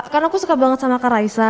karena aku suka banget sama kak raisa